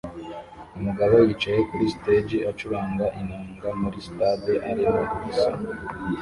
Umugabo yicaye kuri stage acuranga inanga muri stade irimo ubusa